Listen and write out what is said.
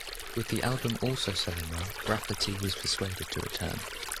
With the album also selling well, Rafferty was persuaded to return.